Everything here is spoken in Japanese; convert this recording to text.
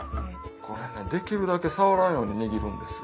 これねできるだけ触らんように握るんですよ。